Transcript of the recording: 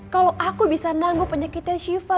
kalau aku bisa nanggu penyakitnya siva